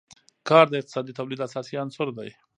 کار د اقتصادي تولید اساسي عنصر دی.